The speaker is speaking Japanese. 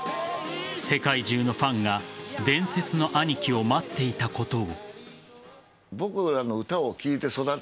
世界中のファンが伝説のアニキを待っていたことを。